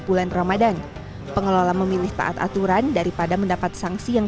bulan ramadhan pengelola memilih taat aturan daripada mendapat sanksi yang